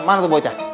mana tuh bocah